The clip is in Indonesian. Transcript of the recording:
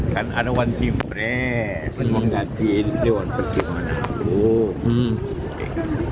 kan ada one team press semua ngajin dewan pertimbangan agung